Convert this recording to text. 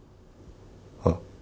あっ。